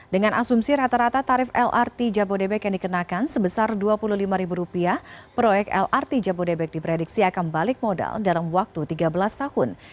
dengan asumsi rata rata tarif lrt jabodebek yang dikenakan sebesar rp dua puluh lima proyek lrt jabodebek diprediksi akan balik modal dalam waktu tiga belas tahun